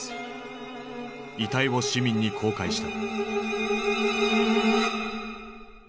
遺体を市民に公開した。